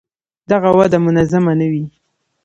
دغه وده منظمه نه وي.